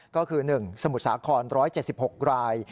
ก็คือ๑สมุทรสาคร๑๗๖ราย